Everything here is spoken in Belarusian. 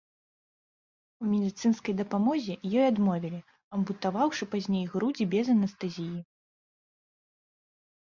У медыцынскай дапамозе ёй адмовілі, ампутаваўшы пазней грудзі без анестэзіі.